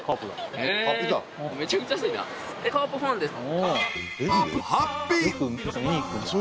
えっカープファンですか？